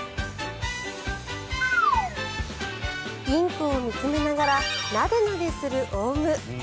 インコを見つめながらなでなでするオウム。